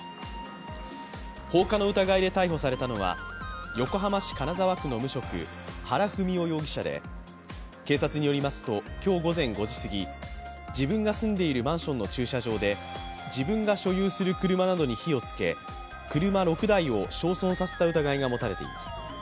放火の疑いで逮捕されたのは横浜市金沢区の無職、原文雄容疑者で警察によりますと、今日午前５時すぎ、自分が住んでいるマンションの駐車場で自分が所有する車などに火をつけ車６台を焼損させた疑いが持たれています